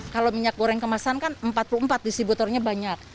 kalau minyak goreng kemasan kan empat puluh empat distributornya banyak